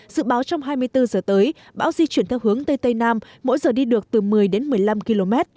dự báo trong hai mươi bốn giờ tới bão di chuyển theo hướng tây tây nam mỗi giờ đi được từ một mươi đến một mươi năm km